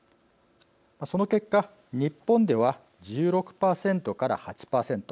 その結果日本では１６％から８％